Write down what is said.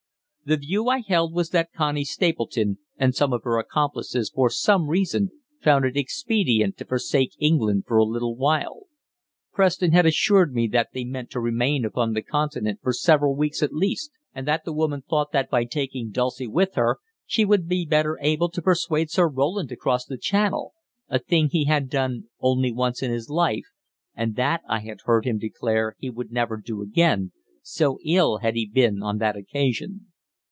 The view I held was that Connie Stapleton and some of her accomplices for some reason found it expedient to forsake England for a little while Preston had assured me that they meant to remain upon the Continent for several weeks at least and that the woman thought that by taking Dulcie with her she would be better able to persuade Sir Roland to cross the Channel, a thing he had done only once in his life, and that I had heard him declare he would never do again, so ill had he been on that occasion.